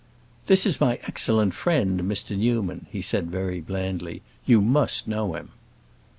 "This is my excellent friend Mr. Newman," he said very blandly. "You must know him."